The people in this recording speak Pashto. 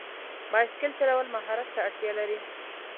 بایسکل چلول مهارت ته اړتیا لري.